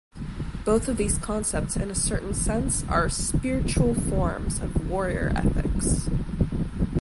Both of these concepts in a certain sense are spiritual forms of warrior ethics.